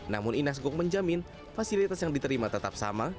namun inas gok menjamin fasilitas yang diterima tetap sama